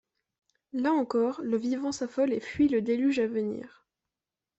Là encore, le vivant s’affole et fuit le déluge à venir.